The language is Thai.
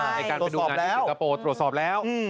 การไปดูงานที่สิงคโปร์ตรวจสอบแล้ว